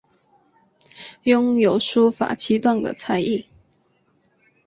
拥有书法七段的才艺。